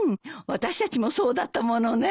私たちもそうだったものね。